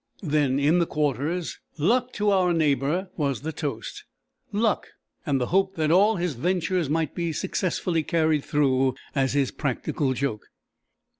Then in the Quarters "Luck to our neighbour" was the toast—"luck," and the hope that all his ventures might be as successfully carried through as his practical joke.